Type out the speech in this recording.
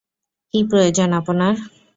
কী প্রয়োজন আপনার?